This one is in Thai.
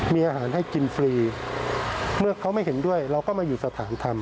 มีอาหารให้กินฟรีเมื่อเขาไม่เห็นด้วยเราก็มาอยู่สถานธรรม